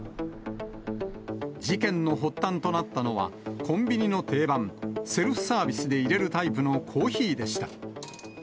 事件の発端となったのは、コンビニの定番、セルフサービスで入れるタイプのコーヒーでした。